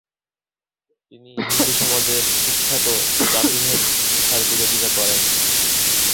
তিনি হিন্দু সমাজের কুখ্যাত জাতিভেদ প্রথার বিরোধিতা করেন।